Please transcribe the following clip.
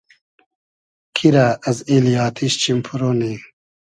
کی رۂ از ایلی آتیش چیم پورۉ نی